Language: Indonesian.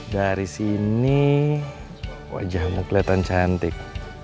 dari sini wajahmu kelihatan cantik